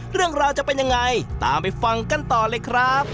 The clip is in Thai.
เรื่องราวจะเป็นยังไงตามไปฟังกันต่อเลยครับ